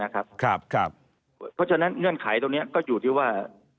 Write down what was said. เพราะฉะนั้นเงื่อนไขตรงนี้ก็อยู่ที่ว่า